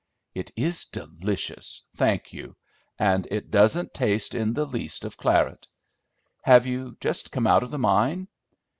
"It is delicious, thank you, and it doesn't taste in the least of claret. Have you just come out of the mine?"